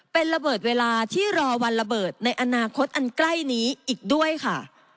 เป็นระเบิดเวลาที่รอวันระเบิดในอนาคตอันใกล้นี้อีกด้วยค่ะ